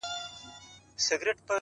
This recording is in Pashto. • چي اغږلی یې په خټه کي عادت دی -